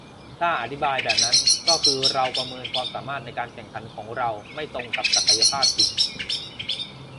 ถ้าอธิบายแบบนั้น ก็คือเราประเมินความสามารถในการแข่งขันของเราไม่ตรงกับศักยภาพจริง